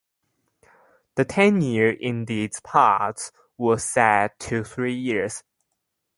The tenure in these parts was set to three years.